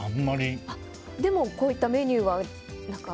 でも、こういったメニューは？